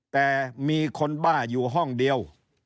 แต่มีคนบ้าอยู่ห้องเดียว